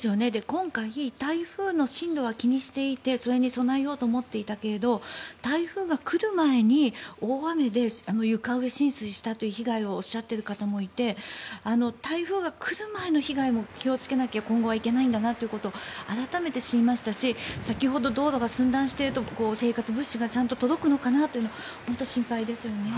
今回、台風の進路は気にしていてそれに備えようと思っていたけれど台風が来る雨に大雨で床上浸水したとおっしゃっている方もいて台風が来る前の被害も今後は気をつけなきゃいけないんだなということを改めて知りましたし先ほど道路が寸断していると生活物資がちゃんと届くのかなというんのは本当に心配ですね。